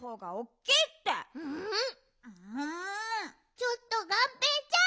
ちょっとがんぺーちゃん！